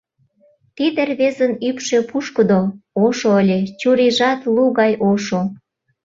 Тиде рвезын ӱпшӧ пушкыдо, ошо ыле, чурийжат лу гай ошо.